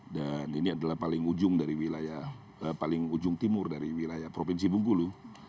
dan ini adalah paling ujung timur dari wilayah provinsi bengkulu